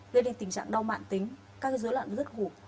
gây nên tình trạng đau mạn tính các dối loạn rất gục